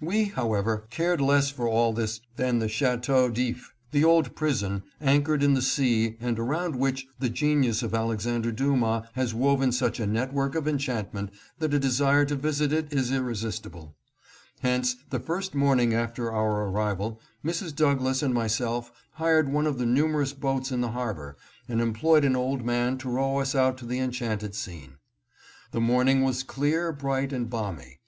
We, how ever, cared less for all this than for Chateau D'lf, the old prison anchored in the sea and around which the genius of Alexander Dumas has woven such a network of enchantment that a desire to visit it is irresistible ; hence, the first morning after our arrival Mrs. Douglass and myself hired one of the numerous boats in the har bor and employed an old man to row us out to the en chanted scene. The morning was clear, bright and balmy.